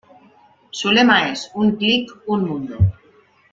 Su lema es: un click, un mundo.